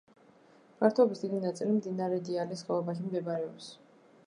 ფართობის დიდი ნაწილი მდინარე დიიალის ხეობაში მდებარეობს.